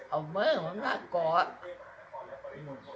เอามือมันละก่อน